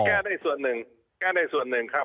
แก้ได้ส่วนหนึ่งแก้ได้ส่วนหนึ่งครับ